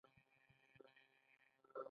د دولت–ملت مفکوره پخوا منفوره وه.